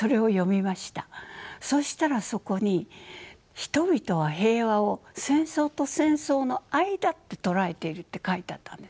そしたらそこに「人々は平和を戦争と戦争の間と捉えている」って書いてあったんです。